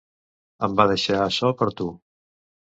Em va deixar açò per a tu.